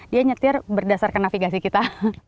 dia nyetir berdasarkan navigasi kita